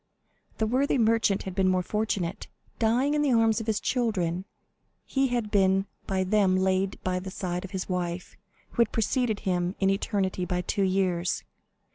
The worthy merchant had been more fortunate. Dying in the arms of his children, he had been by them laid by the side of his wife, who had preceded him in eternity by two years.